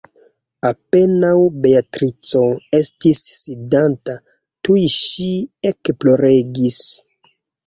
Apenaŭ Beatrico estis sidanta, tuj ŝi ekploregis.